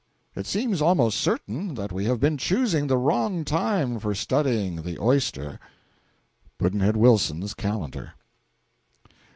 It seems almost certain that we have been choosing the wrong time for studying the oyster. Pudd'nhead Wilson's Calendar.